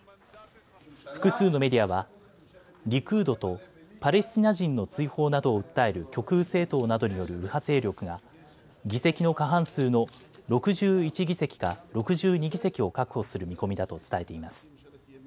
複数のメディアはリクードとパレスチナ人の追放などを訴える極右政党などによる右派勢力が議席の過半数の６１議席か６２議席を確保する見込みだと伝えています。